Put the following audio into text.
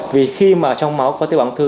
vì khi mà trong máu có tế bào ung thư